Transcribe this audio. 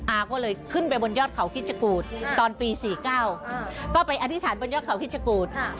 อาก็เลยขึ้นไปบนยอดเขาคิดชะกูธตอนปี๔๙ก็ไปอธิษฐานบนยอดเขาพิชกูธ